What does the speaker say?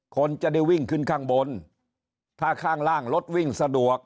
คนจะได้วิ่งขึ้นข้างบนถ้าข้างล่างรถวิ่งสะดวก